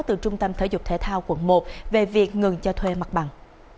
từ trung tâm thể dục thể thao quận một về việc ngừng cho thuê mặt bằng